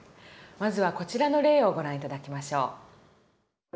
まずはこちらの例をご覧頂きましょう。